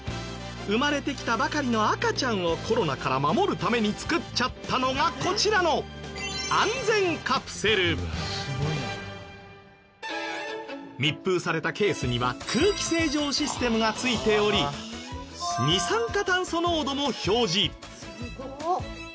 生まれてきたばかりの赤ちゃんをコロナから守るために作っちゃったのがこちらの密封されたケースには空気清浄システムがついており二酸化炭素濃度も表示。